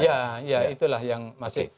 ya ya itulah yang masih